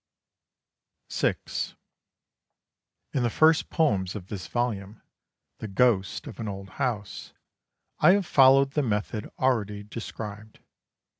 VI In the first poems of this volume, the "Ghosts of an Old House," I have followed the method already described.